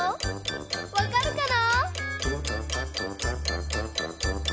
わかるかな？